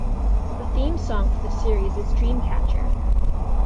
The theme song for the series is Dream Catcher.